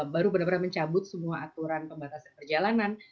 baru benar benar mencabut semua aturan pembatasan perjalanan